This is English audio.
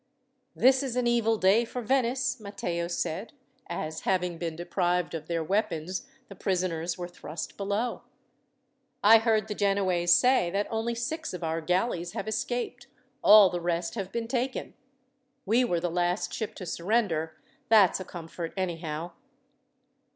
"This is an evil day for Venice," Matteo said, as, having been deprived of their weapons, the prisoners were thrust below. "I heard the Genoese say that only six of our galleys have escaped, all the rest have been taken. We were the last ship to surrender, that's a comfort anyhow."